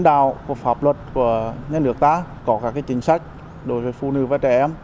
đạo của pháp luật của nhân nước ta có các chính sách đối với phụ nữ và trẻ em